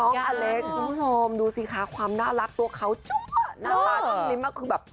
น้องอเลคคุณผู้ชมดูสิค่ะความน่ารักตัวเขาจ้อน้ำตาจนนิ้มมากคือแบบ